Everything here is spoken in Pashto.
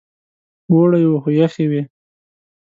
اوړی و خو یخې وې.